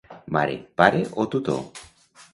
Mare, pare o tutor.